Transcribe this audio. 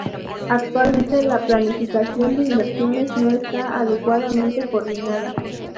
Actualmente la planificación de inversiones no está adecuadamente coordinada.